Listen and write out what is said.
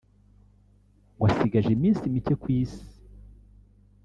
ngo asigaje iminsi mike ku Isi